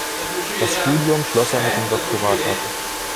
Das Studium schloss er mit dem Doktorat ab.